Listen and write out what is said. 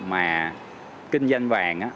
mà kinh doanh vàng